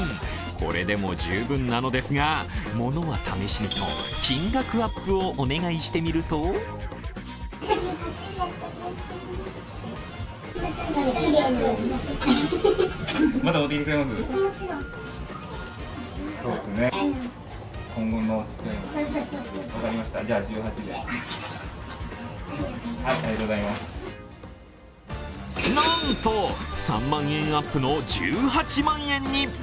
これでも十分なのですが、ものは試しにと、金額アップをお願いしてみるとなんと３万円アップの１８万円に。